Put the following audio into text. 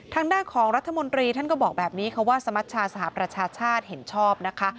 ทางด้านของรัฐมนตรีท่านก็บอกแบบนี้ค่ะว่าสมัชชาสหประชาชาติเห็นชอบนะคะ